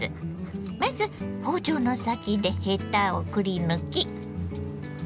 まず包丁の先でヘタをくり抜き。